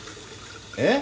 えっ？